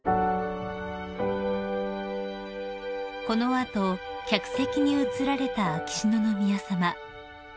［この後客席に移られた秋篠宮さま］